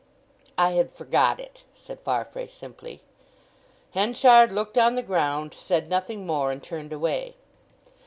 "I had forgot it," said Farfrae simply. Henchard looked on the ground, said nothing more, and turned away.